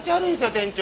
店長。